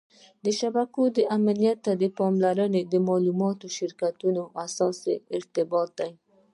د شبکو امنیت ته پاملرنه د معلوماتي شرکتونو اساسي اړتیا ده.